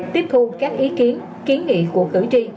tiếp thu các ý kiến kiến nghị của cử tri